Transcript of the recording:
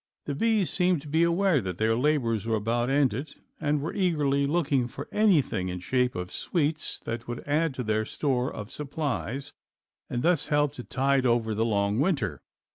The bees seemed to be aware that their labors were about ended and were eagerly looking for anything in shape of sweets that would add to their store of supplies and thus help to tide over the long winter.